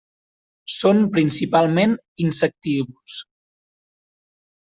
Són principalment insectívors.